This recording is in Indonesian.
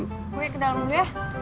pokoknya ke dalam dulu ya